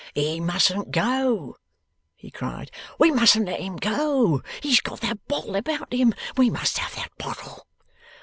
'He mustn't go,' he cried. 'We mustn't let him go? He has got that bottle about him. We must have that bottle.